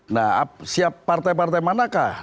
nah siap partai partai manakah